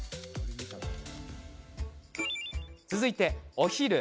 続いて、お昼。